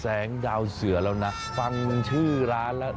แสงดาวเสือแล้วนะฟังชื่อร้านแล้ว